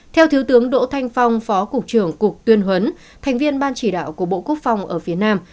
theo thiếu tướng đỗ thanh phong phó cục trưởng cục tuyên huấn thành viên ban chỉ đạo của bộ quốc phòng ở phía nam